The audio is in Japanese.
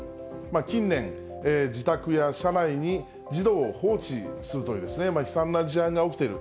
近年、自宅や車内に児童を放置するという悲惨な事案が起きている。